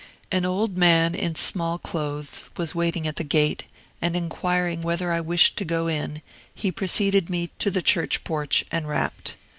An old man in small clothes was waiting at the gate; and inquiring whether I wished to go in, he preceded me to the church porch, and rapped.